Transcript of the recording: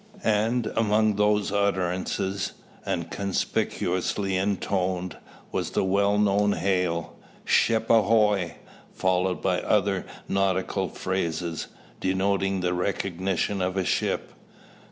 And among these utterances, and conspicuously intoned, was the well known hail, "Ship ahoy!" followed by other nautical phrases, denoting the recognition of a ship.